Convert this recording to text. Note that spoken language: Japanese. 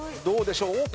どうでしょう？